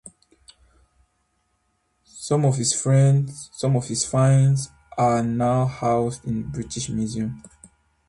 Some of his finds are now housed in the British Museum.